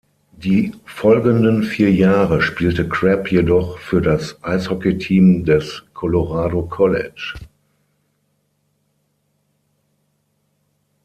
Die folgenden vier Jahre spielte Crabb jedoch für das Eishockeyteam des Colorado College.